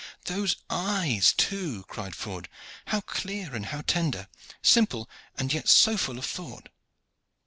"Those eyes, too!" cried Ford. "How clear and how tender simple, and yet so full of thought!"